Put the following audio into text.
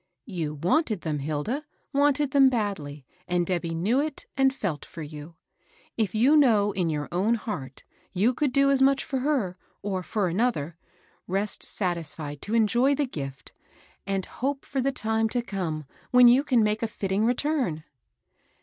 " You wanted them, Hilda, — wanted them badly, and Debby knew it and felt for you. If you know in your own heart you could do as rowciv W V^xi^ 186 MABEL ROSS. or for another, rest satisfied to enjoy the gift, and hope for the time to come when you can make a fitting return."